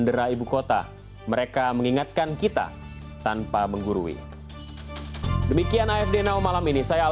kisah petugas kebersihan seakan menjadi epos menandingi berita yang terjadi di indonesia